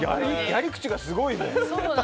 やり口がすごいね。